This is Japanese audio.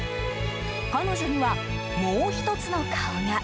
彼女には、もう１つの顔が。